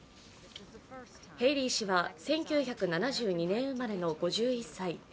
ヘイリー氏は１９７２年生まれの５１歳。